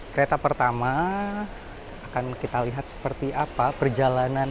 kereta pertama akan kita lihat seperti apa perjalanan